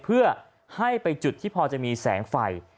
เพื่อให้ไปจุดที่พอจะมีแสงไฟ